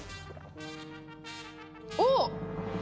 おっ！